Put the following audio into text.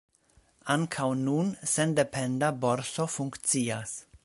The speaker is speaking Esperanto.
Ankaŭ nun sendependa borso funkcias.